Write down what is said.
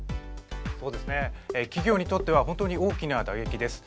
企業にとっては本当に大きな打撃です。